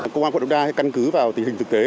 công an quận đống đa căn cứ vào tình hình thực tế